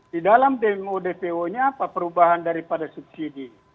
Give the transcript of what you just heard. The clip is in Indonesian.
di dalam dmo dpo nya apa perubahan daripada subsidi